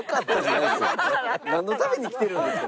なんのために来てるんですか？